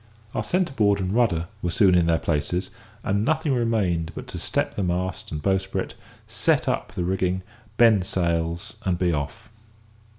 Our centre board and rudder were soon in their places, and nothing remained but to step the mast and bowsprit, set up the rigging, bend sails, and be off.